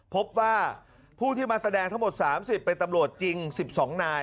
พบว่าผู้ที่มาแสดงทั้งหมด๓๐เป็นตำรวจจริง๑๒นาย